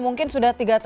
mungkin sudah tiga tahun